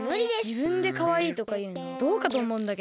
じぶんでかわいいとかいうのどうかとおもうんだけど。